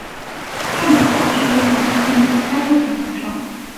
汉堡包是由两片面包夹肉饼而成。